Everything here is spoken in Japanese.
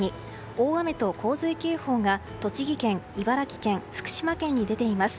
大雨と洪水警報が、栃木県茨城県、福島県に出ています。